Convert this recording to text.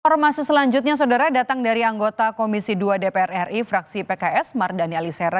informasi selanjutnya saudara datang dari anggota komisi dua dpr ri fraksi pks mardani alisera